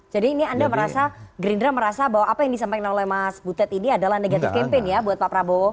jadi ini anda merasa gerindra merasa bahwa apa yang disampaikan oleh mas budet ini adalah negatif campaign ya buat pak prabowo